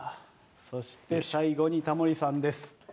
そして最後にタモリさんです。